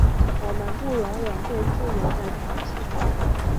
我们不容忍对自由的挑衅。